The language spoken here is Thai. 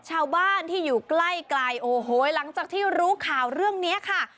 ชาวบ้านที่อยู่ใกล้ไกลโอ้โหหลังจากที่รู้ข่าวเรื่องนี้ค่ะ